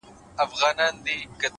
د قاف د شاپيرو اچيل دې غاړه کي زنگيږي;